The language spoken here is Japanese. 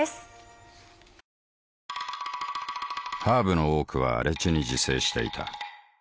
ハーブの多くは荒地に自生していた。